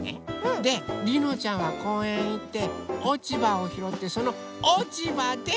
でりのちゃんはこうえんへいっておちばをひろってそのおちばで